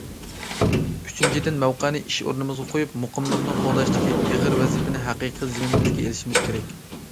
ئۈچىنچىدىن، مەۋقەنى ئىش ئورنىمىزغا قويۇپ، مۇقىملىقنى قوغداشتىكى ئېغىر ۋەزىپىنى ھەقىقىي زىممىمىزگە ئېلىشىمىز كېرەك.